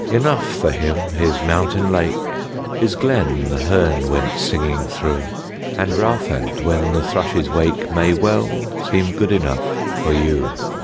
Enough for him his mountain lake, His glen the hern went singing through, And Rowfant, when the thrushes wake, May well seem good enough for YOU.